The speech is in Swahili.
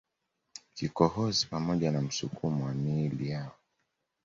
kikohozi pamoja na msukumo wa miili yao